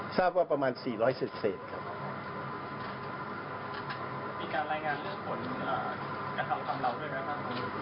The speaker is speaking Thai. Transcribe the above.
ทราบว่าประมาณ๔๐๐เศษครับ